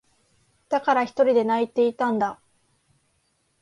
だから、ひとりで泣いていたんだ。